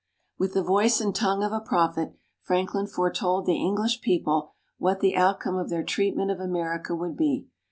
With the voice and tongue of a prophet, Franklin foretold the English people what the outcome of their treatment of America would be.